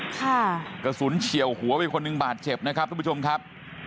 กระสุนเฉียวหัวไปคนหนึ่งบาดเจ็บนะครับทุกผู้ชมครับ